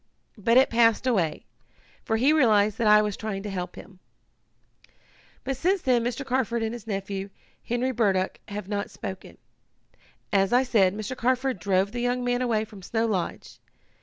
But it passed away, for he realized that I was trying to help him. "But since then Mr. Carford and his nephew, Henry Burdock, have not spoken. As I said, Mr. Carford drove the young man away from Snow Lodge.